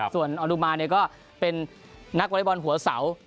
ส่วนออนุมานก็เป็นนักวอเล็กบอลหัวเสา